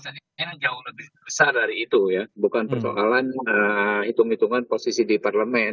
saya jauh lebih besar dari itu ya bukan persoalan hitung hitungan posisi di parlemen